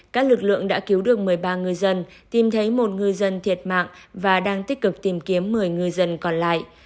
các lực lượng đã cứu được một mươi ba ngư dân tìm thấy một ngư dân thiệt mạng và đang tích cực tìm kiếm một mươi ngư dân còn lại